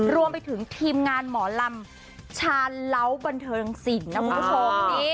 รวมไปถึงทีมงานหมอลำชานเล้าบันเทิงสินนะคุณผู้ชม